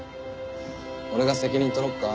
俺が責任取ろうか？